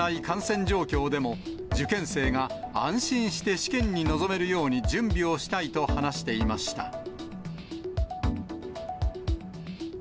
感染状況でも、受験生が安心して試験に臨めるように準備をしたいと話していました。